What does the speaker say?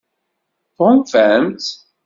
Tɣunfam-tt?